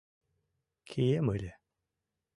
Кием ыле.